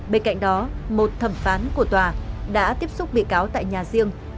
bên cạnh đó một thẩm phán của tòa đã tiếp xúc bị cáo tại nhà riêng